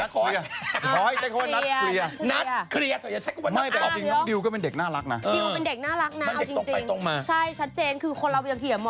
ก็คือนัดเคลียร์